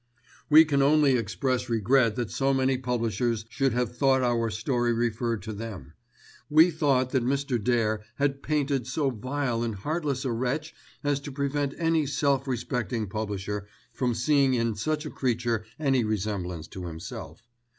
"We can only express regret that so many publishers should have thought our story referred to them. We thought that Mr. Dare had painted so vile and heartless a wretch as to prevent any self respecting publisher from seeing in such a creature any resemblance to himself.